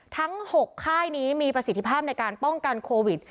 ทั้ง๖ค่ายนี้มีประสิทธิภาพในการป้องกันโควิด